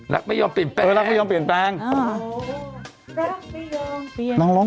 รักไม่ยอมเปลี่ยนแปลง